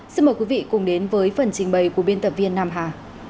xin mời quý vị cùng đến với phần trình bày của biên tập viên nam hà